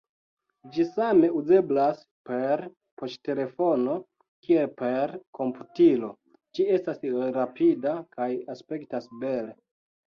Ĝi same uzeblas per poŝtelefono kiel per komputilo, ĝi estas rapida kaj aspektas bele.